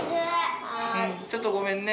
ちょっとごめんね。